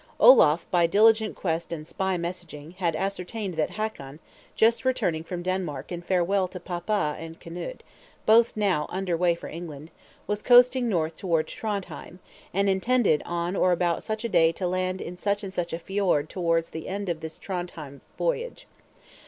Olaf by diligent quest and spy messaging, had ascertained that Hakon, just returning from Denmark and farewell to Papa and Knut, both now under way for England, was coasting north towards Trondhjem; and intended on or about such a day to land in such and such a fjord towards the end of this Trondhjem voyage.